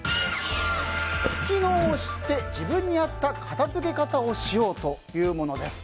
利き脳を知って自分に合った片付け方をしようというものです。